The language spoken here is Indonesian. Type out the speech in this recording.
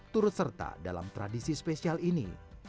turut serta dalam tradisi spesial ini